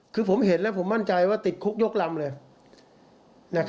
คือผมเห็นแล้วผมมั่นใจว่าติดคุกยกลำเลย